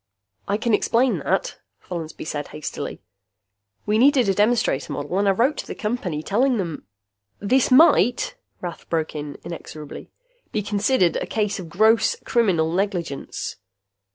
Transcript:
"I can explain that," Follansby said hastily. "We needed a demonstrator model and I wrote to the Company, telling them " "This might," Rath broke in inexorably, "be considered a case of gross criminal negligence."